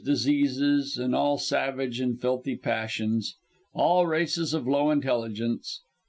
_ diseases, and all savage and filthy passions); all races of low intelligence, viz.